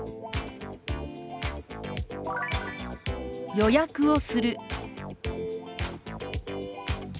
「予約をする」。